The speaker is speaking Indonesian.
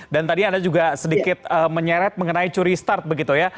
dan tadi anda juga sedikit menyeret mengenai curi start begitu ya